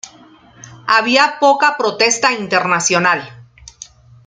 Había poca protesta internacional.